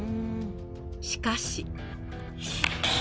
しかし。